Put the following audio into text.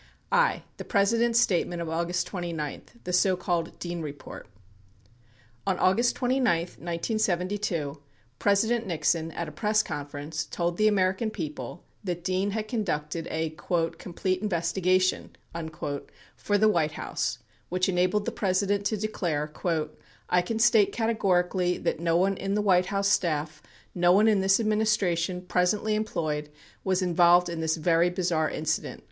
26 I. The President's Statement of August 29 — The So Called Dean Report On August 29, 1972, President Nixon, at a press conference, told the American people that Dean had conducted a "complete investigation" for the White House which enabled the President to declare : "I can state categorically that no one in the White House staff, no one in this administration, presently employed, was involved in this very bizarre incident."